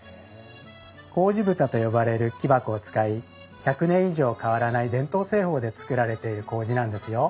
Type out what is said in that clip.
麹蓋と呼ばれる木箱を使い１００年以上変わらない伝統製法で作られている麹なんですよ。